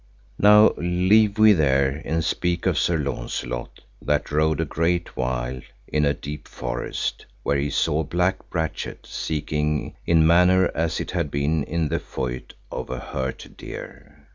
Now leave we there and speak of Sir Launcelot that rode a great while in a deep forest, where he saw a black brachet, seeking in manner as it had been in the feute of an hurt deer.